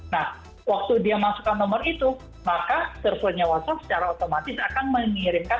nah waktu dia masukkan nomor itu maka surveinya whatsapp secara otomatis akan mengirimkan